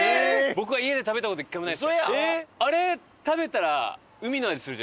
僕は家で食べた事１回もない。